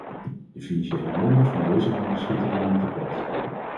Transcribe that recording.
De financiële middelen van deze landen schieten dan ook tekort.